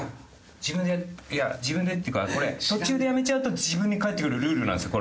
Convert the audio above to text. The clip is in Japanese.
自分で自分でっていうかこれ途中でやめちゃうと自分に返ってくるルールなんですよ